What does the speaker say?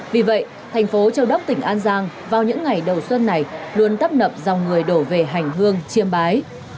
vì vậy thành phố châu đốc tỉnh an giang vào những ngày đầu xuân này luôn tấp nập dòng người đổ về hành hương chiêm bái